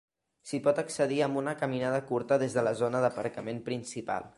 S'hi pot accedir amb una caminada curta des de la zona d'aparcament principal.